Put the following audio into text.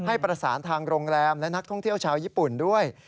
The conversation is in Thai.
ให้ประสานทางโรงแรมและนักท่องเที่ยวชาวญี่ปุ่นด้วย